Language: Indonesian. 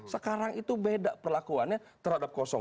sekarang itu beda perlakuannya terhadap satu ya kan